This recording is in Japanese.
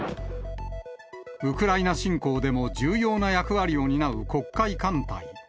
ウクライナ侵攻でも重要な役割を担う黒海艦隊。